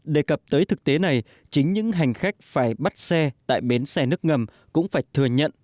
đề cập tới thực tế này chính những hành khách phải bắt xe tại bến xe nước ngầm cũng phải thừa nhận